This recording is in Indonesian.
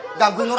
ini apa ular